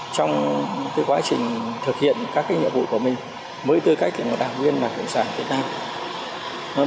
trong quá trình thực hiện các nhiệm vụ của mình với tư cách đảng viên và kiểm soát việt nam